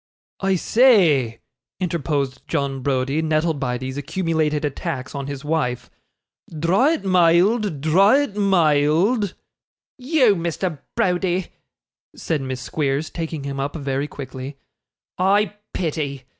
'I say,' interposed John Browdie, nettled by these accumulated attacks on his wife, 'dra' it mild, dra' it mild.' 'You, Mr. Browdie,' said Miss Squeers, taking him up very quickly, 'I pity.